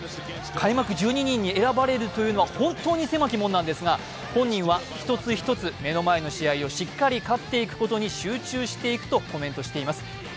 開幕１２人に選ばれるというのは、本当に狭き門なんですが、本人は一つ一つ目の前の試合にしっかり勝っていくことに集中していくとしています。